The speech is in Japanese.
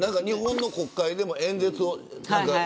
日本の国会でも演説を。